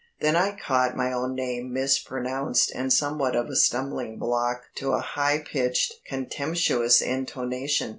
Then I caught my own name mispronounced and somewhat of a stumbling block to a high pitched contemptuous intonation.